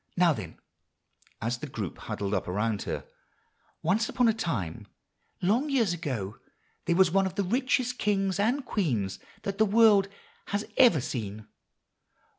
Now, then," as the group huddled up around her. "Once upon a time, long years ago, there was one of the richest kings and queens that the world has ever seen.